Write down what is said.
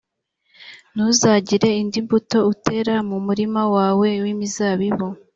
ntuzagire indi mbuto utera mu murima wawe w’imizabibu;